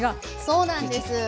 そうなんです。